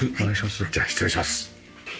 じゃあ失礼します。